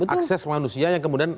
akses manusia yang kemudian